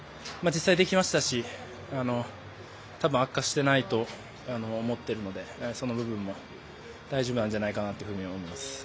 まあ実際、できましたし多分悪化してないと思ってるのでその部分も大丈夫なんじゃないかなと思います。